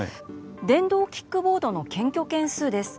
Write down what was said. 電動キックボードの検挙件数です。